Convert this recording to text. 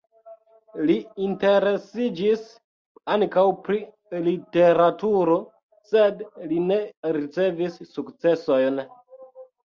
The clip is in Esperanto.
Li interesiĝis ankaŭ pri literaturo, sed li ne ricevis sukcesojn.